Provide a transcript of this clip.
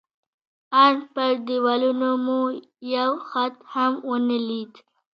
ان پر دېوالونو مو یو خط هم ونه لید.